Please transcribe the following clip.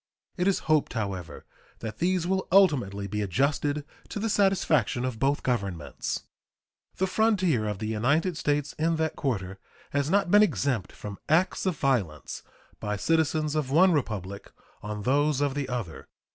It is hoped, however, that these will ultimately be adjusted to the satisfaction of both Governments. The frontier of the United States in that quarter has not been exempt from acts of violence by citizens of one Republic on those of the other.